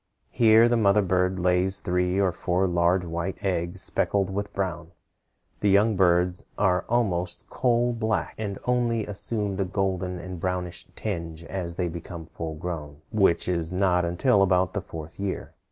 Here the mother bird lays three or four large white eggs speckled with brown. The young birds are almost coal black, and only assume the golden and brownish tinge as they become full grown, which is not until about the fourth year.